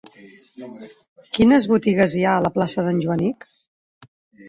Quines botigues hi ha a la plaça d'en Joanic?